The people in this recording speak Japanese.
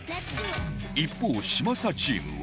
一方嶋佐チームは